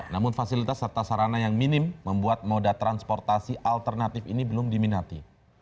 namun fasilitas serta sarana yang minim membuat moda transportasi alternatif ini belum diminati